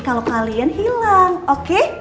kalau kalian hilang oke